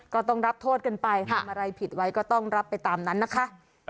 ก็ต้องรับโทษกันไปทำอะไรผิดไว้ก็ต้องรับไปตามนั้นนะคะ